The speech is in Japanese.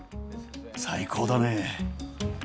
最高だね。